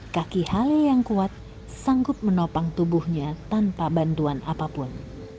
kaki halil yang kuat sanggup menopang tubuhnya tanpa bantuan apapun